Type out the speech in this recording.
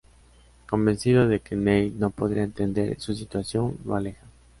Convencido de que Neil no podría entender su situación, lo aleja.